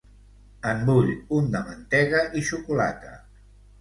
En vull un de mantega i xocolata.